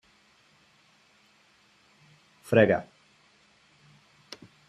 Frega.